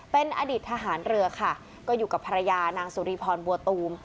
เป็นอดีตทหารเรือค่ะก็อยู่กับภรรยานางสุริพรบัวตูม